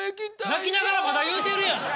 泣きながらまだ言うてるやん。